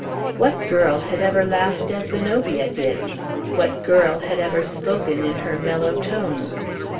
What girl had ever laughed as Zenobia did? What girl had ever spoken in her mellow tones?